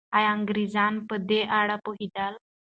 ایا انګریزان په دې اړه پوهېدل؟